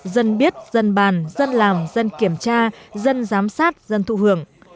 dân biết dân bàn dân làm dân kiểm tra dân giám sát dân thụ hưởng